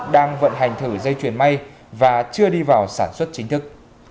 đang vận hành thử dây chuyển may và chưa đi vào sản xuất chính thức